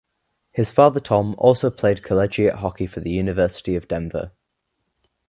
His father Tom also played collegiate hockey for the University of Denver.